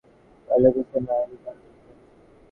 যোগেন্দ্র কহিল, বাবা, রৌদ্র তো পালাইতেছে না, এত তাড়াতাড়ি কেন?